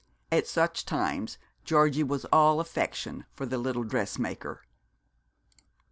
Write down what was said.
At such times Georgie was all affection for the little dressmaker.